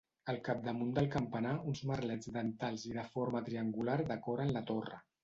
Al capdamunt del campanar, uns merlets dentats i de forma triangular decoren la torre.